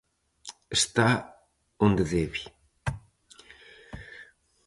Está onde debe.